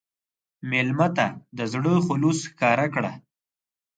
مېلمه ته د زړه خلوص ښکاره کړه.